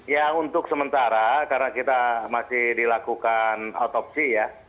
ya untuk sementara karena kita masih dilakukan otopsi ya